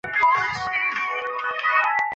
这本书主要关注狗类工作服从能力。